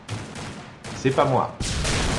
C'est pas moi!